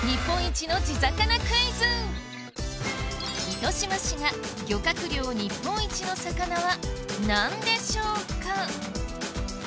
糸島市が漁獲量日本一の魚は何でしょうか？